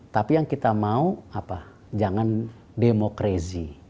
tapi yang kita mau apa jangan demokrasi